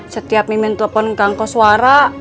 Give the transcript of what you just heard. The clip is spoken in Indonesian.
setiap mimin telepon kang koswara